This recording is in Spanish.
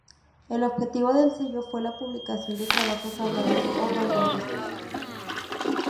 El objetivo del sello fue la publicación de trabajos hablados o vanguardistas.